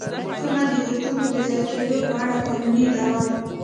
کمه د حقونو د ضایع کېدو په اړه قانوني دعوه.